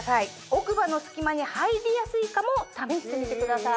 奥歯の隙間に入りやすいかも試してみてください。